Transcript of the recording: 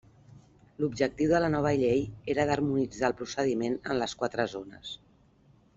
L'objectiu de la nova llei era d'harmonitzar el procediment en les quatre zones.